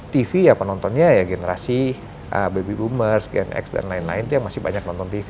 tv ya penontonnya ya generasi baby boomers gen x dan lain lain itu yang masih banyak nonton tv